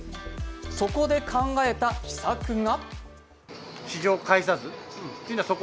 そこで考えた秘策が。